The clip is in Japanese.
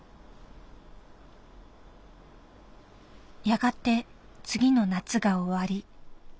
「やがて次の夏が終わり秋。